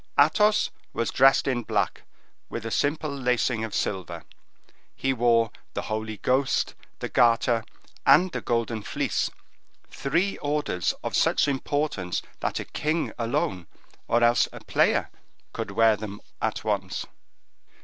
Athos was dressed in black, with a simple lacing of silver. He wore the Holy Ghost, the Garter, and the Golden Fleece, three orders of such importance, that a king alone, or else a player, could wear them at once.